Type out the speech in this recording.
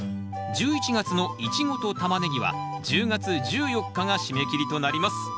１１月の「イチゴ」と「タマネギ」は１０月１４日が締め切りとなります。